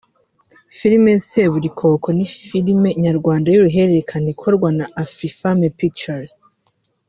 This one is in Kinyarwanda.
Filime Seburikoko ni filime nyarwanda y’uruhererekane ikorwa na Afrifame Pictures